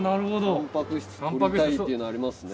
タンパク質摂りたいっていうのありますね。